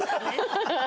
ハハハハ！